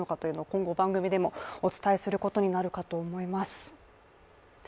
今後、番組でもお伝えすることになるかと思います。